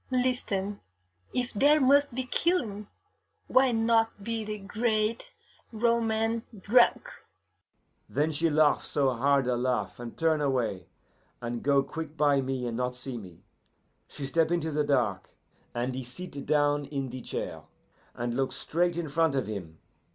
Listen: if there must be killing, why not be the great Roman drunk!' "Then she laugh so hard a laugh, and turn away, and go quick by me and not see me. She step into the dark, and he sit down in the chair, and look straight in front of him.